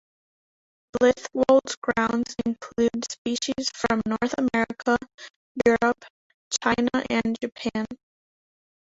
Blithwold's grounds include species from North America, Europe, China and Japan.